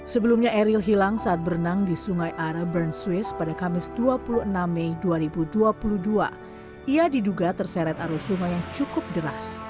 sebelumnya eril hilang saat berenang di sungai are bern swiss pada kamis dua puluh enam mei dua ribu dua puluh dua ia diduga terseret arus sungai yang cukup deras